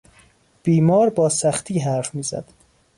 بیمار با سختی حرف میزد.